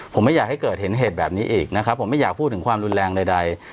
ผมไม่อยากให้เกิดเห็นเหตุแบบนี้อีกนะครับผมไม่อยากพูดถึงความรุนแรงใด